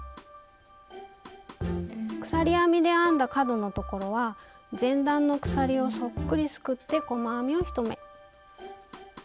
鎖編みで編んだ角のところは前段の鎖をそっくりすくって細編みを１目。